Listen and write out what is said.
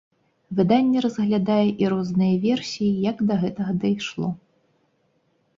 Выданне разглядае і розныя версіі, як да гэтага дайшло.